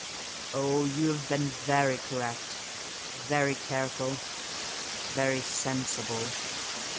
"Oh, you have been very correct—very careful, very sensible."